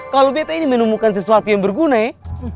kalau beta ini menemukan sesuatu yang berguna ya